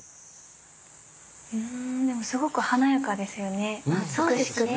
でもすごく華やかですよね美しくて。